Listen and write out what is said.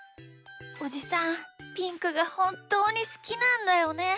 おじさんピンクがほんっとうにすきなんだよね。